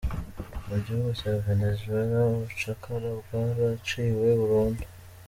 Mu gihugu cya Venezuela ubucakara bwaraciwe burundu.